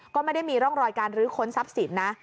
ก็ไม่ได้มีร่องรอยการรื้อค้นทรัพย์สินนะ